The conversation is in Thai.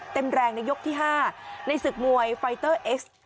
เต็มแรงในยกที่๕ในศึกมวยไฟเตอร์เอ็กซ์